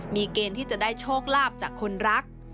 มีเกณฑ์ที่จะได้โชคลาภจากคนรัก